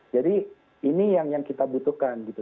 jadi ini yang kita butuhkan gitu